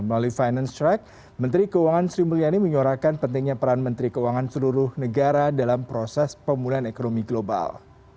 melalui finance track menteri keuangan sri mulyani menyuarakan pentingnya peran menteri keuangan seluruh negara dalam proses pemulihan ekonomi global